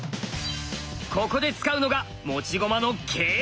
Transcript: ここで使うのが持ち駒の桂馬！